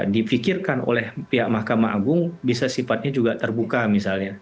dipikirkan oleh pihak mahkamah agung bisa sifatnya juga terbuka misalnya